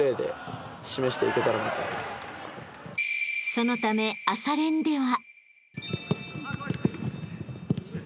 ［そのため朝練では］